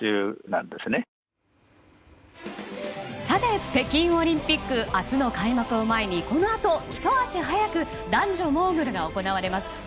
さて、北京オリンピック明日の開幕を前にこのあと、ひと足早く男女モーグルが行われます。